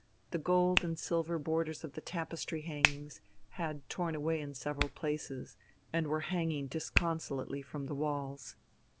The gold and silver borders of the tapestry hangings had torn away in several places, and were hanging disconsolately from the walls.